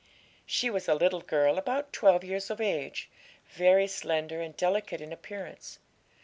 She was a little girl about twelve years of age, very slender and delicate in appearance.